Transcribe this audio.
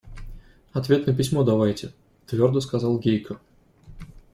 – Ответ на письмо давайте, – твердо сказал Гейка.